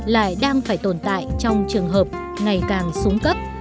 lại đang phải tồn tại trong trường hợp ngày càng xuống cấp